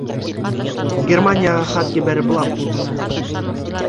Германияға хат ебәреп буламы?